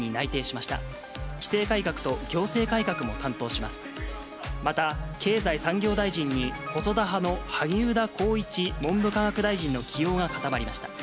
また経済産業大臣に細田派の萩生田光一文部科学大臣の起用が固まりました。